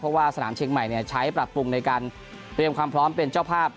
เพราะว่าสนามเชียงใหม่ใช้ปรับปรุงในการเตรียมความพร้อมเป็นเจ้าภาพ